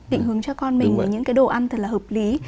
định hướng cho con mình ở những cái đồ ăn thật là hợp lý